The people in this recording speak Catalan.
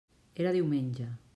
Era diumenge.